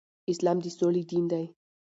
اسلام د سولې دين دی